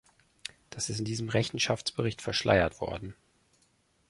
Das ist in diesem Rechenschaftsbericht verschleiert worden.